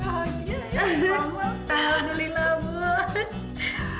amu saya senang lihat kamu disini bahagia